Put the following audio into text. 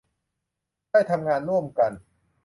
ได้ทำงานร่วมกัน